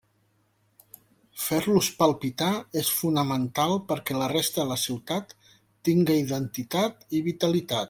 Fer-los palpitar és fonamental perquè la resta de la ciutat tinga identitat i vitalitat.